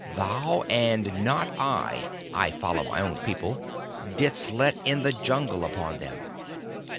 Thou, and not I I follow my own people didst let in the Jungle upon them.